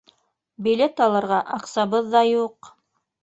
Билет алырға аҡсабыҙ ҙа юҡ.